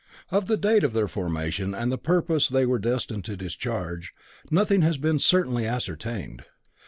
Of the date of their formation and the purpose they were destined to discharge, nothing has been certainly ascertained.